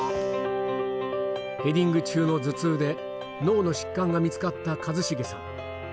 ヘディング中の頭痛で、脳の疾患が見つかった一成さん。